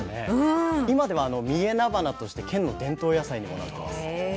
今では「三重なばな」として県の伝統野菜にもなってます。